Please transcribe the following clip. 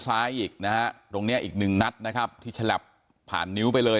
ซ้ายอีกนะฮะตรงเนี้ยอีกหนึ่งนัดนะครับที่ฉลับผ่านนิ้วไปเลย